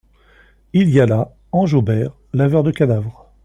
Il y a là, Ange Auber, laveur de cadavre.